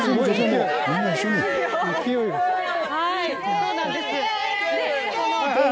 そうなんです。